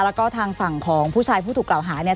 แล้วก็ทางฝั่งของผู้ชายผู้ถูกกล่าวหาเนี่ย